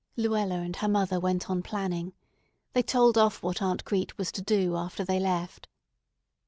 Luella and her mother went on planning. They told off what Aunt Crete was to do after they left.